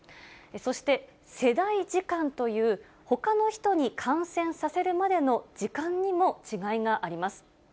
そして、世代時間というほかの人に感染させるまでの時間にも違いがあります。